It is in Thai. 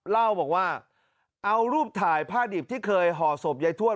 เล่าบอกว่าเอารูปถ่ายผ้าดิบที่เคยห่อศพยายทวด